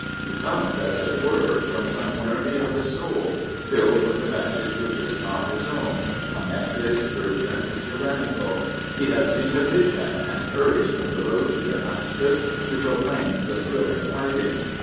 He comes, as it were, from some journey of the soul, filled with a message which is not his own — a message urgent, tyrannical. He has seen a vision, and hurries from the road to Damascus to proclaim the thrilling tidings.